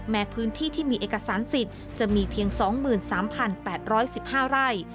พื้นที่ที่มีเอกสารสิทธิ์จะมีเพียง๒๓๘๑๕ไร่